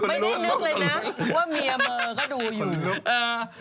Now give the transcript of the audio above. ไม่ได้นึกเลยนะว่าเมียเบอร์ก็ดูอยู่เออ